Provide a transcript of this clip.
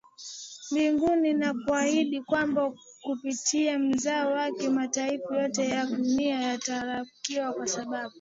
Mbinguni na kumwahidi kwamba kupitia mzao wake mataifa yote ya dunia yatabarikiwa kwa sababu